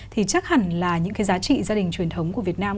thì chắc hẳn là những cái giá trị gia đình truyền thống của việt nam